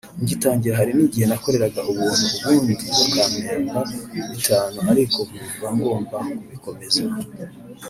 ngitangira hari n’igihe nakoreraga ubuntu ubundi bakampemba bitanu ariko nkumva ngomba kubikomeza